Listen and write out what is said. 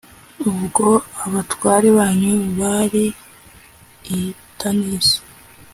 ubwo abatware banyu bari i Tanisi,